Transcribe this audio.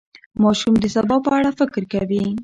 ماشوم د سبا په اړه فکر کوي.